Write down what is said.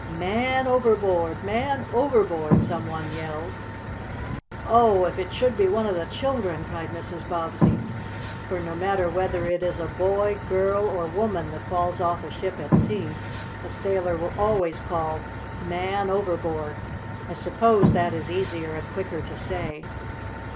"Man overboard! Man overboard!" some one yelled. "Oh, if it should be one of the children!" cried Mrs. Bobbsey. For, no matter whether it is a boy, girl or woman that falls off a ship at sea, a sailor will always call: "'Man' overboard!" I suppose that is easier and quicker to say.